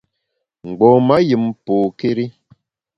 Mgbom-a yùm pokéri.